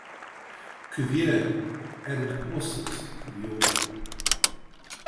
Cuvier added horses to the order.